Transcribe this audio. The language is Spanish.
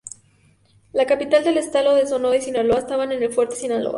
La capital del estado de Sonora y Sinaloa estaba en El Fuerte, Sinaloa.